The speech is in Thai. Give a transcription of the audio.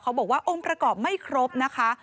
บอกว่าองค์ประกอบไม่ครบนะคะ